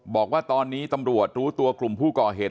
บอกว่าตอนนี้ตำรวจรู้ตัวกลุ่มผู้ก่อเหตุ